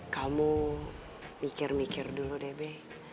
kamu mikir mikir dulu deh be